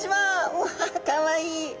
うわかわいい。